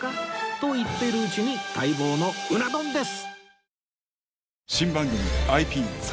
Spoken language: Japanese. と言ってるうちに待望のうな丼です！